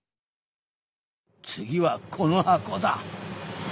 次はこの箱だ。